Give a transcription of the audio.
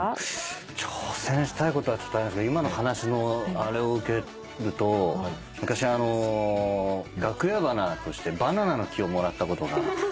挑戦したいことはちょっとあれですけど今の話のあれを受けると昔あの楽屋花としてバナナの木をもらったことがあったんですよ。